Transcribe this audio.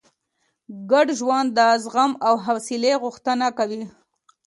ګډ ژوند د زغم او حوصلې غوښتنه کوي.